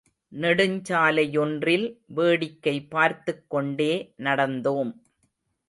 நெடுஞ்சாலையொன்றில், வேடிக்கை பார்த்துக்கொண்டே நடந்தோம்.